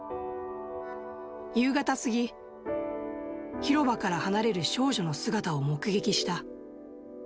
夕方過ぎ、広場から離れる少女の姿を目撃した。